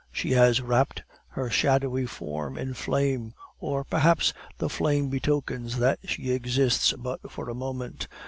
She has wrapped her shadowy form in flame, or perhaps the flame betokens that she exists but for a moment.